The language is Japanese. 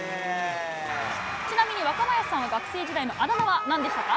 ちなみに若林さんは学生時代のあだ名はなんでしたか？